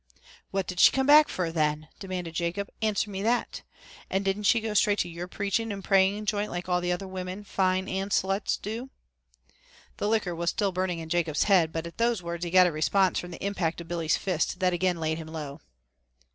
"What did she come back fer then?" demanded Jacob. "Answer me that. And didn't she go straight to your preaching and praying joint like all the other women, fine and sluts, do?" The liquor was still burning in Jacob's head but at those words he got a response from the impact of Billy's fist that again laid him low.